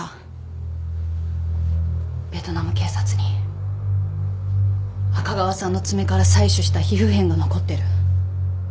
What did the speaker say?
ベトナム警察に赤川さんの爪から採取した皮膚片が残ってる。